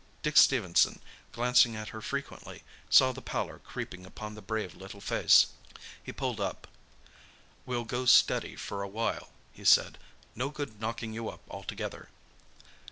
Dick Stephenson, glancing at her frequently, saw the pallor creeping upon the brave little face. He pulled up. "We'll go steady for a while," he said. "No good knocking you up altogether."